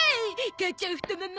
母ちゃん太もも！